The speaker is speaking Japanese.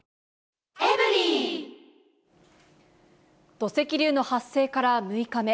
土石流の発生から６日目。